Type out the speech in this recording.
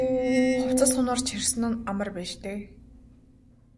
Хувцас хунар чирсэн нь амар байж дээ.